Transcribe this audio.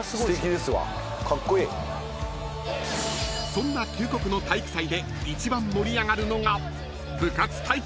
［そんな九国の体育祭で一番盛り上がるのが］